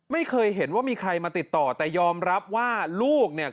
ไม่เคยเห็นว่ามีใครมาติดต่อแต่ยอมรับว่าลูกเนี่ย